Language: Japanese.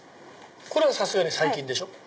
これはさすがに最近でしょ？